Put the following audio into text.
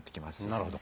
なるほど。